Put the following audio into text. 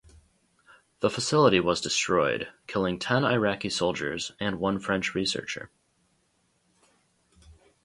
The facility was destroyed, killing ten Iraqi soldiers and one French researcher.